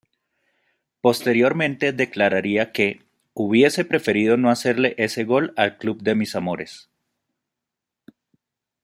Posteriormente declararía que "Hubiese preferido no hacerle ese gol al club de mis amores".